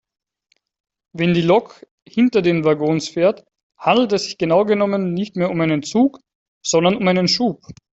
Wenn die Lok hinter den Waggons fährt, handelt es sich genau genommen nicht mehr um einen Zug sondern um einen Schub.